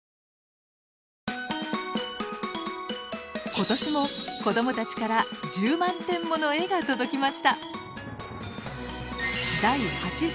今年も子どもたちから１０万点もの絵が届きました！